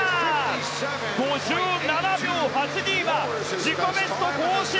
５７秒８２は自己ベスト更新！